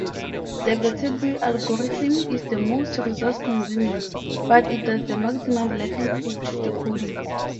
The Viterbi algorithm is the most resource-consuming, but it does the maximum likelihood decoding.